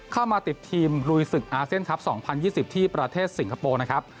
เข้ามาติดทีมลุยศึกอาเซียนครับ๒๐๒๐ที่ประเทศสิงคโปร์นะครับ